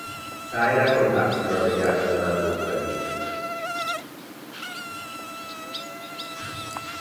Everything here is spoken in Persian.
سعی نکن تقصیر را به گردن من بگذاری!